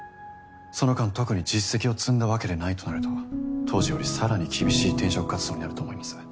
その間特に実績を積んだわけでないとなると当時より更に厳しい転職活動になると思います。